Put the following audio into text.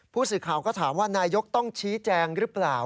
ผู้สื่อข่าวก็ถามว่านายกต้องชี้แจงหรือเปล่า